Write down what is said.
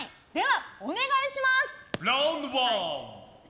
お願いします！